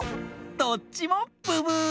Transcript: どっちもブブー！